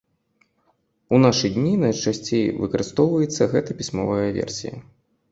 У нашы дні найчасцей выкарыстоўваецца гэта пісьмовая версія.